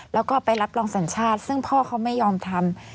แล้วก็ไปรับรองสัญชาติซึ่งพ่อเขาไม่ยอมทำ